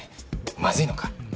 まずいのか？